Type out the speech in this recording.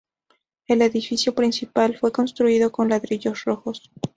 El edificio principal fue construido con ladrillos rojos.